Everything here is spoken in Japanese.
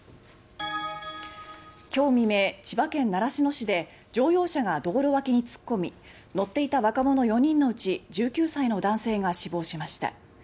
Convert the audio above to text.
今日未明千葉県習志野市で乗用車が道路脇に突っ込み乗っていた若者４人のうち１９歳の男性が死亡しました。